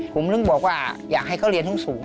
ผมถึงบอกว่าอยากให้เขาเรียนสูง